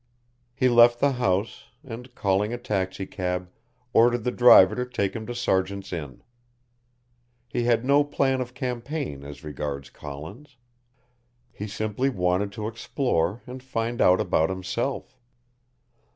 He left the house, and, calling a taxi cab, ordered the driver to take him to Sergeant's Inn. He had no plan of campaign as regards Collins. He simply wanted to explore and find out about himself.